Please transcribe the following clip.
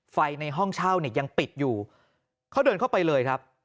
ในห้องเช่าเนี่ยยังปิดอยู่เขาเดินเข้าไปเลยครับ